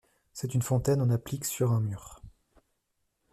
C'est une fontaine en applique sur un mur.